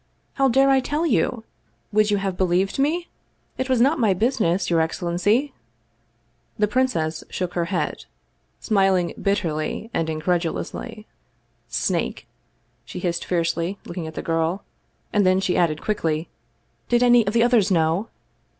How dare I tell you? Would you have believed me? It was not my business, your excellency!" The old princess shook her head, smiling bitterly and in credulously. "Snake!" she hissed fiercely, looking at the girl; and then she added quickly: " Did any of the others know?